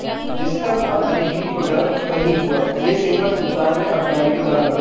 जिसका था अरिजीत को डर वही हुआ, ये सिंगर 'सुल्तान' में अब गाएंगे गाना